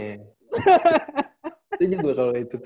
itu juga kalau itu